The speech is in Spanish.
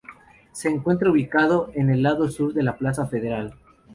Se encuentra ubicado en el lado sur de la Plaza Federal.